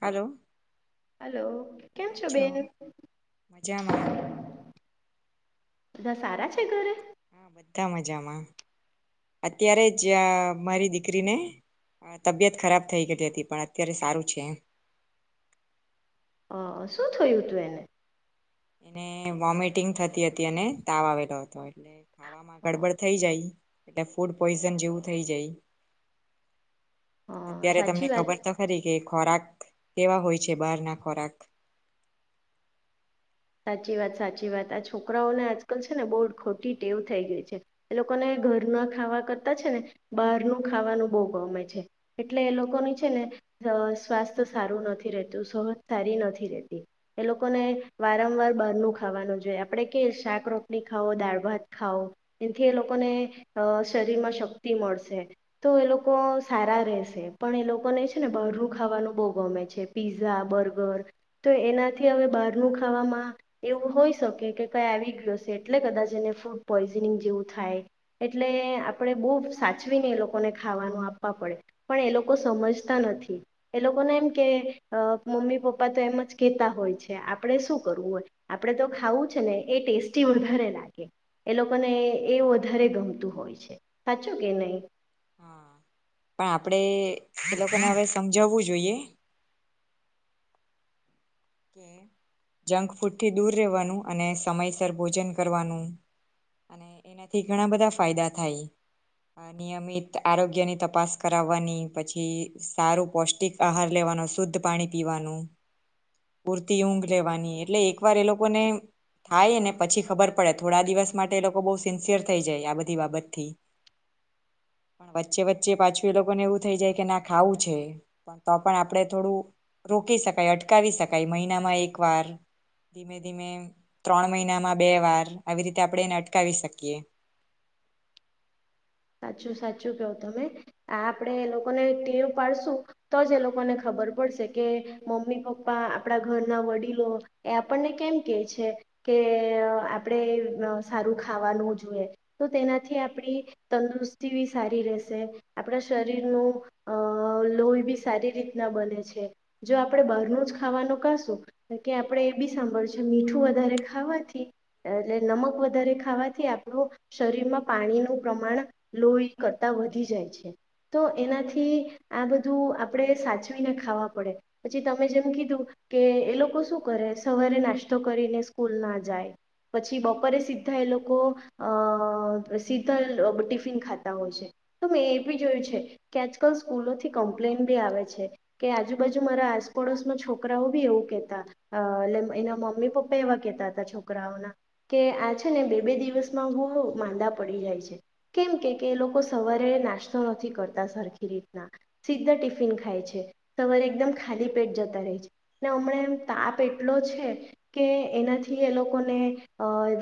Hello hello કેમ છો બેન? મજામાં બધા સારા છે ઘરે? હા બધા મજામાં, અત્યારે જ મારી દીકરીને તબિયત ખરાબ થઈ ગલી હતી, પણ અત્યારે સારું છે. હ શું થયું હતું એને? એને વોમિટિંગ થતી હતી અને તાવ આવેલો હતો. એલે ખાવામાં ગડબડ થઈ જાય. એટલે ફૂડ પોઈઝન જેવું થઈ જાય. અ, અત્યારે તમને સાચી વાત ખબર તો ખરી કે ખોરાક કેવા હોય છે બહાર ના ખોરાક. સાચી વાત સાચી વાત આ છોકરાઓને આજકાલ છે ને બહુ ખોટી ટેવ થઈ ગઈ છે, એ લોકોને ઘર ના ખાવા કરતા છે ને બહારનું ખાવાનું બહુ ગમે છે, એટલે એ લોકોની છે ને સ્વાસ્થ્ય સારું નથી રહેતું સહજ સારી નથી રહેતી, એ લોકોને વારંવાર બહારનું ખાવાનું જોઈએ, આપણે કે શાક રોટની ખાઓ દાળ ભાત ખાઓ, એથી એ લોકોને શરીરમાં શક્તિ મળશે તો એ લોકો સારા રહેશે, પણ એ લોકોને છે ને બહારનું ખાવાનું બહુ ગમે છે, પીઝા-બર્ગર, તો એનાથી હવે બહાર ઘરનું ખાવામાં એવું હોય શકે કે કઈ આવી ગયું છે એટલે કદાચ એને ફૂડ પોઈઝનિંગ જેવું થાય, એટલે આપણે બહુ સાચવીને એ લોકોને ખાવાનું આપવા પડે, પણ એ લોકો સમજતા નથી, એ લોકોને એમ કે મમ્મી-પપ્પા તો એમ જ કહેતા હોય છે. આપણે શું કરવું હોય, આપણે તો ખાવું છે ને એ ટેસ્ટી વધારે લાગે, એ લોકોને એ વધારે ગમતું હોય છે, સાચો કે નહીં? હા, પણ આપડે એ લોકોને હવે સમજાવવું જોઈએ. કે જંક ફૂડથી દૂર રહેવાનું અને સમયસર ભોજન કરવાનું, અને એનાથી ઘણા બધા ફાયદા થાય, નિયમિત આરોગ્યની તપાસ કરાવવાની પછી સારું પૌષ્ટિક આહાર લેવાનો શુદ્ધ પાણી પીવાનું. પૂરતી ઊંઘ લેવાની એટલે એક વાર એ લોકોને થાય ને પછી ખબર પડે થોડા દિવસ માટે એ લોકો બહુ સિન્સિયર થઈ જાય આ બધી બાબતથી, પણ વચ્ચે વચ્ચે પાછું એ લોકોને એવું થઈ જાય કે ના ખાવું છે, પણ તો પણ આપણે થોડું રોકી શકાય, અટકાવી શકાય. મહિનામાં એક વાર, ધીમે ધીમે ત્રણ મહિનામાં બે વાર, આવી રીતે આપણે એને અટકાવી શકીએ. સાચું સાચું કેવું તમે, આપડે એ લોકોને ટેવ પાડશું તો જ એ લોકોને ખબર પડશે કે, મમ્મી-પપ્પા આપડા ઘરના વડીલો એ આપણને કેમ કે છે કે આપણેે સારું ખાવાનું જોઈએ, તો તેનાથી આપણી. તંદુરસ્તી બી સારી રહેશે, આપણા શરીરનું લોહી બી સારી રીતના બને છે, જો આપણે બહારનું જ ખાવાનું કશું કે આપણે એ બી સાંભળશે છે મીઠું વધારે ખાવાથી, એટલે નમક વધારે ખાવાથી, આપણું શરીરમાં પાણીનું પ્રમાણ લોહી કરતા વધી જાય છે, તો એનાથી આ બધું આપણેે સાચવીને ખાવા પડે. પછી તમે જેમ કીધું કે એ લોકો શું કરે, સવારે નાસ્તો કરીને સ્કૂલ ના જાય, પછી બપોરે સીધા એ લોકો, અ, સીધા ટ ટિફીન ખાતા હોય છે, તો મેં એ બી જોયું છે કે આજકાલ સ્કૂલોથી કમ્પ્લેન બી આવે છે. કે આજુબાજુ મારા આસપડોશમાં છોકરાઓ બી એવું કેહેતા, એટલે એના મમ્મી-પપ્પા એવા કેહેતા હતા છોકરાઓના કે, આ છે ને, બે બે દિવસમાં હું માંદા પડી જાય છે. કેમ કે કે એ લોકો સવારે નાસ્તો નથી કરતા સરખી રીતના, સીધા ટિફિન ખાય છે, સવારે એકદમ ખાલી પેટ જતા રહે છે ને, હમણાં એમ તાપ એટલો છે કે એનાથી એ લોકોને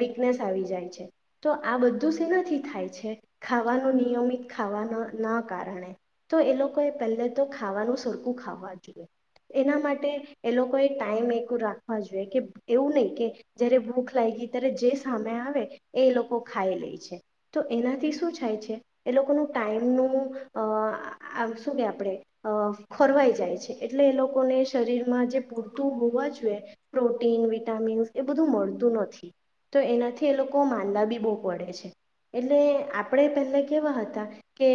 વીકનેસ આવી જાય છે, તો આ બધું જ એનાથી થાય છે. ખાવાનું નિયમિત ખાવાના ના કારણે, તો એ લોકોએ પહેલે તો ખાવાનું સરખું ખાવા જોઈએ, એના માટે એ લોકોએ ટાઈમ એક રાખવા જોઈએ કે એવું નહીં કે જયારે ભૂખ લાગઈ ત્યારે જે સામે આવે એ એ લોકો ખાઈ લે છે, તો એનાથી શું થાય છે, એ લોકોનું ટાઈમનું આ શું કે આપણે ખોરવાઈ જાય છે એટલે એ લોકોને શરીરમાં જે પૂરતું હોવા જોઈએ, પ્રોટીન, વિટામિન્સ, એ બધું મળતું નથી, તો એનાથી એ લોકો માંદા બી બહુ પડે છે, એટલે આપણે પહેલા કેવા હતા, કે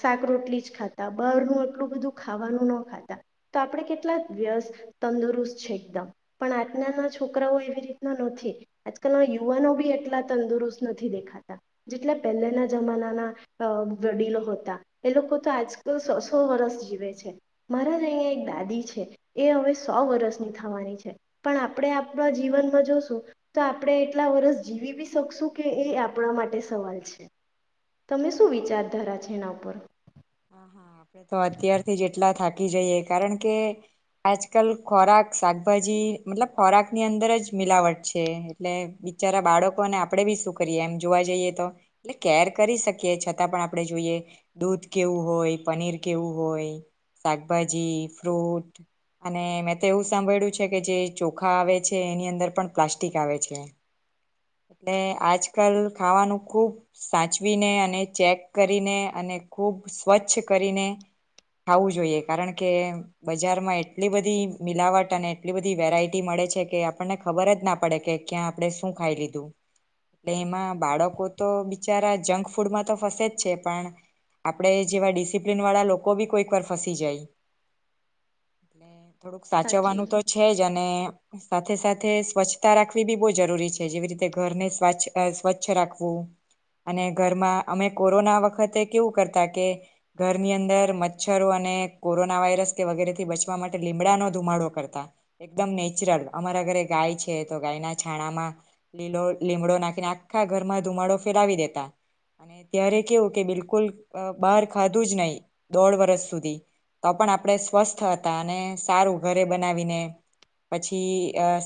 શાક-રોટલી જ ખાતા બહારનું આટલું બધું ખાવાનું ન ખાતા, તો આપણે કેટલા વ્યસ્ત, તંદુરસ્ત છે, એકદમ પણ આજનાના છોકરાઓ એવી રીતના નથી, આજકાલના યુવાનો બી એટલા તંદુરસ્ત નથી દેખાતા. જેટલા પહેલાના જમાનાના વડીલો હતા, એ લોકો તો આજકાલ સો સો વર્ષ જીવે છે, મારા જ અહીં એક દાદી છે, એ હવે સો વર્ષની થવાની છે, પણ આપણે આપણા જીવનમાં જોશું, તો આપણે એટલા વર્ષ જીવી બી શકશું કે એ આપણા માટે તમને શું વિચારધારા છે એના ઉપર? હ હા આપડે તો અત્યારથી જ એટલા થાકી જઈએ કારણ કે, આજકાલ ખોરાક શાકભાજી મતલબ ખોરાકની અંદર જ મિલાવટ છે એટલે બિચારા બાળકોને આપણે બી શું કરીએ એમ જોવા જઈએ તો, એટલે કેર કરી શકીએ છતાં પણ આપણે જોઈએ દૂધ કેવું હોય પનીર કેવું હોય, શાકભાજી. ફ્રૂટ અને મેં તો એવું સાંભળ્યું છે કે, જે ચોખા આવે છે એની અંદર પણ પ્લાસ્ટિક આવે છે. એટલે આજકાલ ખાવાનું ખુબ સાચવીને અને ચેક કરીને અને ખુબ સ્વચ્છ કરીને ખાવું જોઈએ, કારણ કે બજારમાં એટલી બધી મિલાવટ અને એટલી બધી વેરાયટી મળે છે કે આપણને ખબર જ ના પડે કે ક્યાં આપણે શું ખાઈ લીધું. એ એમાં બાળકો તો બિચારા જંક ફૂડમાં તો ફસે જ છે પણ, આપડે જેવા ડિસિપ્લીન વાળા લોકો બી કોઈક વાર ફસી જાય. થોડુંક સાચું સાચવવાનું તો છે જ અને સાથે સાથે સ્વચ્છતા રાખવી બી બહુ જરૂરી છે જેવી રીતે ઘરને સ્વચછ સ્વચ્છ રાખવું અને ઘરમાં અમે કોરોના વખતે કેવું કરતા કે ઘરની અંદર મચ્છરો અને કોરોના વાયરસ કે વગેરે થી બચવા માટે લીમડાનો ધુમાડો કરતા, એકદમ નેચરલ અમારા ઘરે ગાય છે તો ગાયના છાણામાં લીલો લીમડો નાખીને આખા ઘરમાં ધુમાડો ફેલાવી દેતા, અને ત્યારે કેવું કે બિલકુલ બહાર ખાધું જ નહી, દોઢ વર્ષ સુધી, તો પણ આપણે સ્વસ્થ હતા અને સારું ઘરે બનાવીને, પછી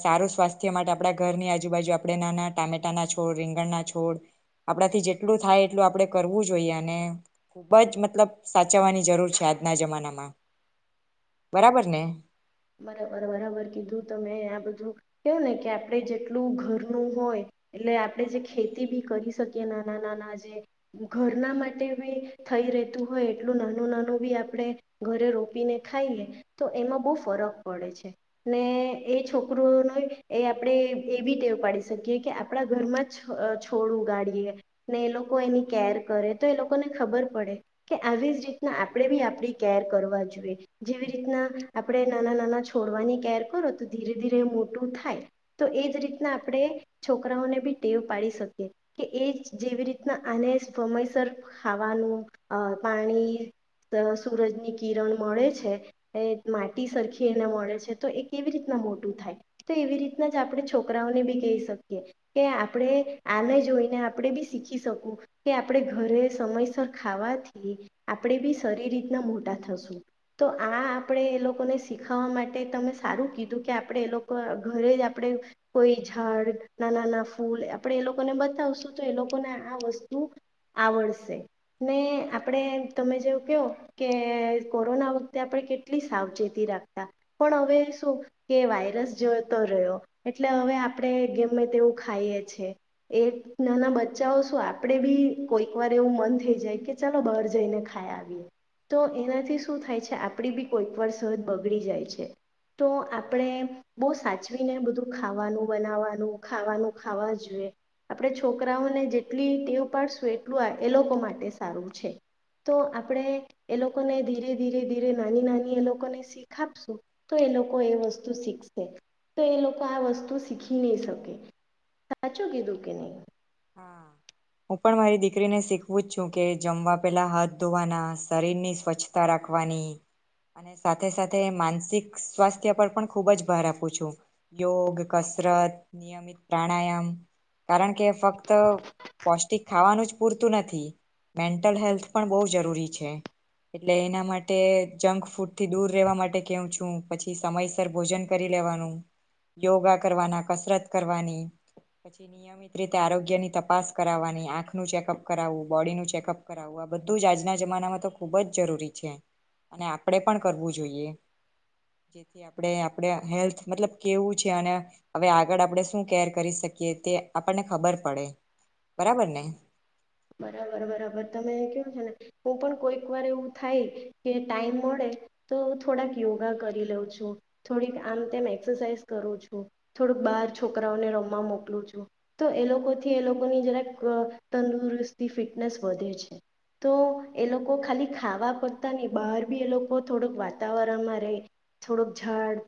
સારું સ્વાસ્થ્ય માટે આપણા ઘરની આજુબાજુ આપણે નાના ટામેટાના છોડ રીંગણના છોડ, આપડાથી જેટલું થાય એટલું આપણે કરવું જોઈએ અને, ખુબ જ મતલબ સાચવવાની જરૂર છે આજના જમાનામાં, બરાબર ને. બરાબર બરાબર કીધું તમે આ બધું કેવું ને કે આપણે જેટલું ઘરનું હોય, એટલે આપણેે જે ખેતી બી કરી શકીએ નાના નાના જે, ઘરના માટે બી થઈ રતું હોય એટલું નાનું નાનું બી આપણે, ઘરે રોપીને ખાઈએ, તો એમાં બહ ફરક પડે છે, ને એ છોકરોઓનો એ આપણે એ બી ટેવ પાડી શકીએ કે આપણા ઘરમાં જ છોડું ઉગાડીએ, ને એ લોકો એની કેર કરે તો એ લોકોને ખબર પડે, કે આવી જ રીતના આપણે બી આપણી કેર કરવા જોઈએ, જેવી રીતના આપણે નાના નાના છોડવાની કેર કરો તો ધીરે ધીરે મોટું થાય, તો એ જ રીતના આપણે છોકરાઓને બી ટેવ પાડી શકીએ, કે એ જેવી રીતના આને સમયસર ખાવાનું, પાણી, સૂરજની કિરણ મળે છે, એ માટી સરખી એને મળે છે તો એ કેવી રીતના મોટું થાય, તો એવી રીતના જ આપણે છોકરાઓને બી કહી શકીએ, કે આપણે આને જોઈને આપણે બી શીખી શકું, કે આપણે ઘરે સમયસર ખાવાથી આપણે બી સરી રીતના મોટા થશું, તો આ આપણે એ લોકોને શીખાવા માટે તમે સારું કીધું કે આપણે એ લોકો ઘરે જ આપણે, કોઈ ઝાડ નાનાના ફૂલ આપણે એ લોકોને બતાવશું તો એ લોકોને આ વસ્તુ, આવડશે, ને આપણે તમે જેવું કહો કે કોરોના વખતે આપણે કેટ એટલી સાવચેતી રાખતા, પણ હવે શું કે વાયરસ જોતો રહ્યો એટલે હવે આપણે ગમે તેવું ખાઈએ, એ નાના બચ્ચાઓ શું આપણે બી કોઈક વાર એવું મન થઈ જાય કે ચાલો બહાર જઈને ખાઈ આવીએ, તો એનાથી શું થાય છે આપણી બી કોઈક વાર સરહદ બગડી જાય છે તો આપણે બહુ સાચવીને બધું ખાવાનું બનાવાનું ખાવાનું ખાવા જોઈએ આપણે છોકરાઓને જેટલી ટેવ ઉપડશું એટલું એ લોકો માટે સારું છે તો આપણે એ લોકોને ધીરે ધીરે ધીરે નાની ના એ લોકોને શીખ આપશું, તો એ લોકો એ વસ્તુ શીખશે તો એ લોકો આ વસ્તુ શીખી નહી શકે, સાચું કીધું કે નહી. હા હું પણ મારી દીકરીને શીખવું જ છું કે જમવા પેલા હાથ ધોવાના શરીરની સ્વચ્છતા રાખવાની અને સાથે સાથે માનસિક સ્વાસ્થ્ય પર પણ ખૂબ જ ભાર આપું છું યોગ કસરત નિયમિત પ્રાણાયામ કારણ કે ફક્ત તો પૌષ્ટિક ખાવાનું જ પૂરતું નથી મેન્ટલ હેલ્થ પણ બહુ જરૂરી છે એટલે એના માટે જંક ફૂડથી દૂર રહેવા માટે કેવું છું પછી સમયસર ભોજન કરી લેવાનું યોગા કરવાના કસરત કરવાની પછી નિયમિત રીતે આરોગ્ય તપાસ કરાવવાની આંખનું ચેકઅપ કરાવવું બોડીનું ચેકઅપ કરાવવું આ બધું જ આજના જમાનામાં તો ખૂબ જ જરૂરી છે અને આપણે પણ કરવું જોઈએ જેથી આપણે આપણે હેલ્થ મતલબ કેવું છે અને હવે આગળ આપણે શું કેર કરી શકીએ તે આપણને ખબર પડે બરાબર ને બરાબર બરાબર તમે કેવું છે ને હું પણ કોઈક વાર એવું થાય કે ટાઈમ મળે તો થોડાક યોગા કરી લઉ છું થોડીક આમ તેમ એક્સરસાઈઝ કરું છું થોડક બાર છોકરાઓને રમમાં મોકલું છું તો એ લોકોથી એ લોકોની જરાક તંદુરસ્ત ફિટનેસ વધે છે તો એ લોકો ખાલી ખાવા પડતા નહી બહાર બી એ લોકો થોડક વાતાવરણમાં રહે થોડુંક ઝાડ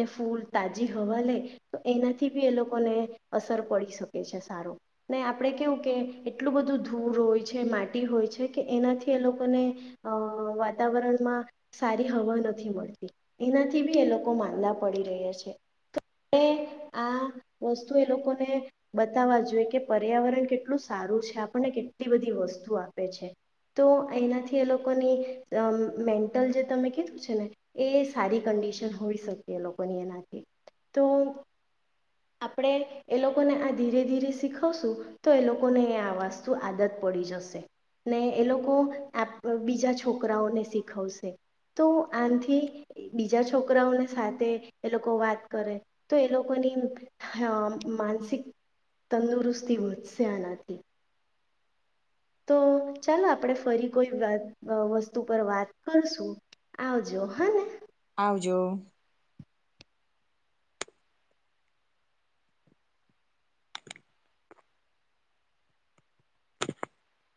ને ફૂલ તાજી હવા લે તો એનાથી બી એ લોકોને અસર પડી શકે છે સારું ને આપણે કેવું કે એટલું બધું ધૂડ હોય છે માટી હોય છે કે એનાથી એ લોકોને અ વાતાવરણમાં સારી હવા નથી મળતી એનાથી બી એ લોકો માંદા પડી રહ્યા છે આ વસ્તુ એ લોકોને બતાવવા જોઈએ કે પર્યાવરણ કેટલું સારું છે આપને કેટલી બધી વસ્તુ આપે છે તો એનાથી એ લોકોની મેન્ટલ જે તમે કીધું છે ને એ સારી કંડિશન હોઈ શકે એ લોકોની એનાથી તો આપણે એ લોકોને આ ધીરે ધીરે શીખવશું તો એ લોકોને આ વસ્તુ આદત પડી જશે ને એ લોકો બીજા છોકરાઓને શીખવશે તો આનાથી બીજા છોકરાઓને સાથે એ લોકો વાત કરે તો એ લોકોની માનસિક તંદુરસ્તી વધશે આનાથી તો ચાલો આપણેે ફરી કોઈ વાત વસ્તુ પર વાત કરશું આવજો હા ને આવજો